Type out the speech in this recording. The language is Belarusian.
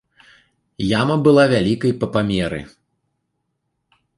Яма была вялікай па памеры.